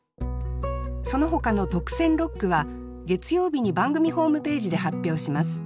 そのほかの特選六句は月曜日に番組ホームページで発表します。